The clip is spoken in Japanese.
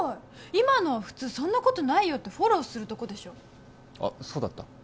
今のは普通「そんなことないよ」ってフォローするとこでしょあそうだった？